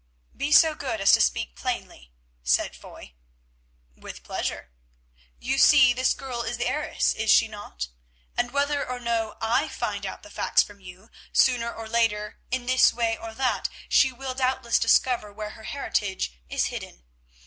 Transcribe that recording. "Be so good as to speak plainly," said Foy. "With pleasure. You see this girl is the heiress, is she not? and whether or no I find out the facts from you, sooner or later, in this way or that, she will doubtless discover where her heritage is hidden.